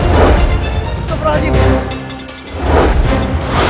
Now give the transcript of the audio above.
keluparanmu punya ku